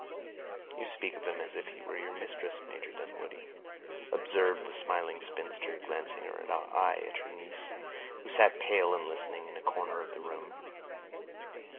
"You speak of him as if he were your mistress, Major Dunwoodie," observed the smiling spinster, glancing her eye at her niece, who sat pale and listening, in a corner of the room.